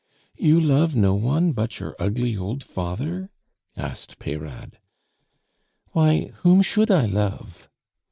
"You love no one but your ugly old father?" asked Peyrade. "Why, whom should I love?"